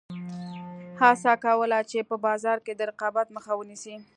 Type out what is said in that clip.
هڅه کوله چې په بازار کې د رقابت مخه ونیسي.